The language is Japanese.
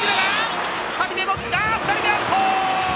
２人目はアウト！